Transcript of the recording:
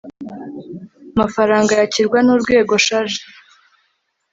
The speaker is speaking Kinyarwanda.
MAFARANGA YAKIRWA N URWEGO CHARGES